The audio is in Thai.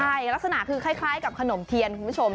ใช่ลักษณะคือคล้ายกับขนมเทียนคุณผู้ชม